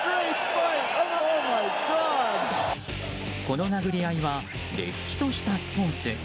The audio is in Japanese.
この殴り合いはれっきとしたスポーツ。